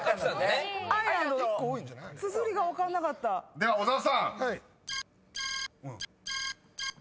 ［では小沢さん］